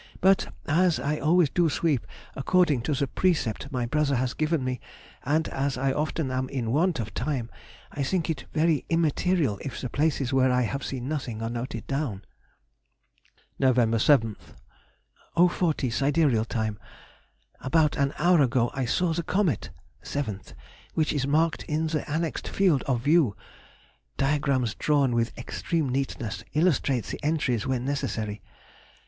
But as I always do sweep according to the precept my brother has given me, and as I often am in want of time, I think it is very immaterial if the places where I have seen nothing are noted down. Nov. 7th.—0.40 sidereal time. About an hour ago I saw the comet [seventh] which is marked in the annexed field of view [diagrams drawn with extreme neatness illustrate the entries when necessary].